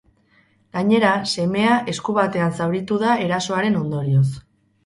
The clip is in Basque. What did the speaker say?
Gainera, semea esku batean zauritu da erasoaren ondorioz.